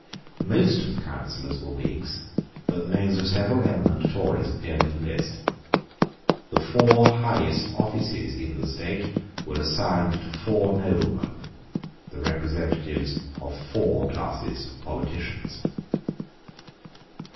Most of the Councillors were Whigs; but the names of several eminent Tories appeared in the list. The four highest offices in the state were assigned to four noblemen, the representatives of four classes of politicians.